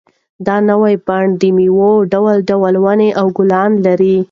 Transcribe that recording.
دا نوی بڼ د مېوو ډول ډول ونې او ګلان لري.